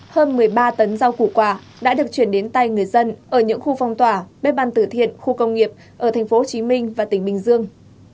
hơn một mươi ba tấn rau củ quả đã được chuyển đến tay người dân ở những khu phong tỏa bếp ăn từ thiện khu công nghiệp ở tp hcm và tỉnh bình dương